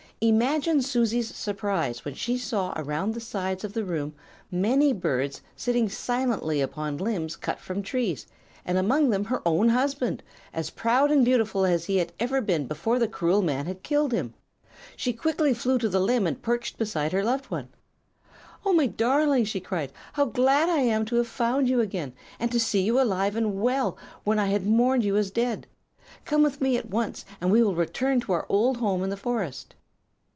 "Imagine Susie's surprise when she saw around the sides of the room many birds sitting silently upon limbs cut from trees, and among them her own husband, as proud and beautiful as he had ever been before the cruel man had killed him! She quickly flew to the limb and perched beside her loved one. "'Oh, my darling!' she cried, 'how glad I am to have found you again, and to see you alive and well when I had mourned you as dead. Come with me at once, and we will return to our old home in the forest.'